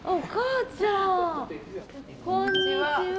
こんにちは。